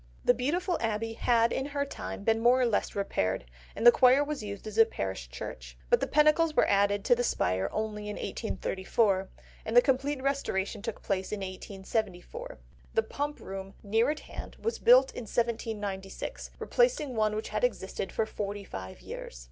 The beautiful abbey had in her time been more or less repaired, and the choir was used as a parish church. But the pinnacles were added to the spire only in 1834, and the complete restoration took place in 1874. The Pump Room, near at hand, was built in 1796, replacing one which had existed for forty five years.